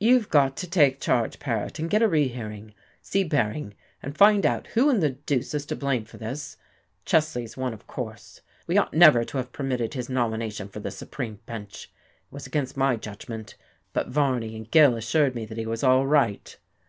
"You've got to take charge, Paret, and get a rehearing. See Bering, and find out who in the deuce is to blame for this. Chesley's one, of course. We ought never to have permitted his nomination for the Supreme Bench. It was against my judgment, but Varney and Gill assured me that he was all right."